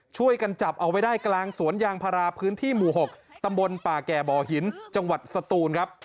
ช่วยกันจับเอาไว้ได้กลางสวนยางพาราพื้นที่หมู่๖ตำบลป่าแก่บ่อหินจังหวัดสตูนครับ